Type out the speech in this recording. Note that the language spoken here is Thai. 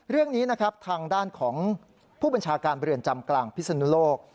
เรื่องนี้นะครับทางด้านของผู้บัญชาการเรือนจำกลางพิศนุโลก